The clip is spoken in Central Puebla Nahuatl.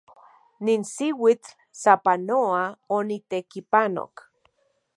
Nin xiuitl sapanoa onitekipanok.